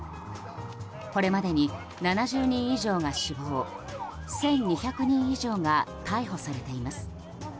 これまでに７０人以上が死亡１２００人以上が逮捕されています。